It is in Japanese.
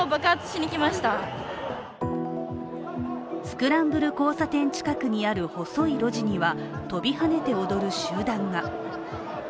スクランブル交差点近くにある細い路地には跳びはねて踊る集団が。